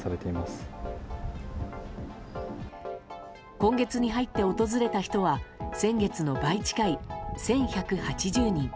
今月に入って訪れた人は先月の倍近い１１８０人。